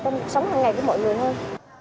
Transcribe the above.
trong sống hằng ngày của mọi người hơn